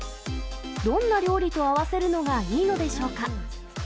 どんな料理と合わせるのがいいのでしょうか。